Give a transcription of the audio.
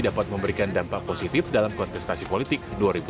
dapat memberikan dampak positif dalam kontestasi politik dua ribu dua puluh